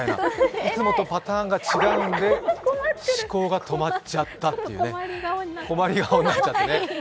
いつもとパターンが違うんで思考が止まっちゃった、困り顔になっちゃってね。